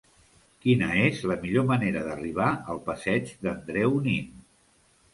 Quina és la millor manera d'arribar al passeig d'Andreu Nin?